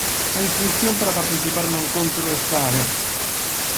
A inscrición para participar no encontro está aberta.